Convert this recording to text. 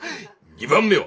２番目は？